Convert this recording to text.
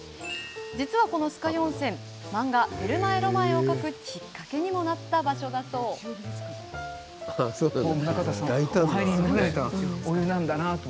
実は、この酸ヶ湯温泉漫画「テルマエ・ロマエ」を描くきっかけにもなった場所だそうです。